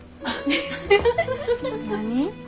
何？